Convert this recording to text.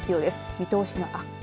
見通しの悪化